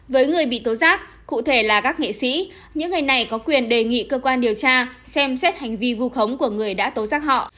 với người bị tố giác cụ thể là các nghệ sĩ những người này có quyền đề nghị cơ quan điều tra xem xét hành vi vu khống của người đã tố giác họ